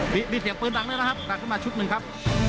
นี่มีเสียงปืนมาหลังได้แล้วครับดัดขึ้นมาชุดหนึ่งครับ